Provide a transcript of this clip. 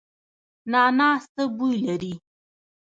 نعناع څه بوی لري؟